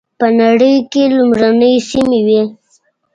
په نړۍ کې لومړنۍ سیمې وې.